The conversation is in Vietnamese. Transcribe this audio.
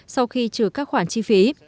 sau khi trừ các khoản chi phí